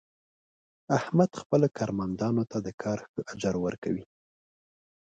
احمد خپلو کارمندانو ته د کار ښه اجر ور کوي.